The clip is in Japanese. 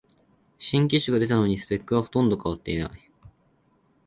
新機種が出たのにスペックはほとんど変わってない